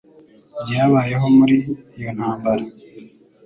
byabayeho muri iyo ntambara,